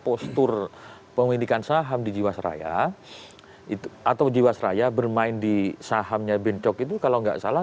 postur pemilikan saham di jiwasraya atau jiwasraya bermain di sahamnya ben cok itu kalau nggak salah